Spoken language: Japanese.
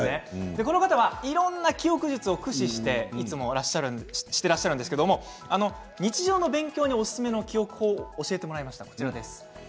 この方はいろいろな記憶術を駆使しているんですけれど日常の勉強におすすめの記憶法を教えてもらいました。